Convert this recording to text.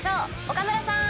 岡村さん！